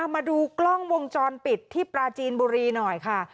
มาดูกล้องวงจรปิดที่ปราจีนบุรีหน่อยค่ะ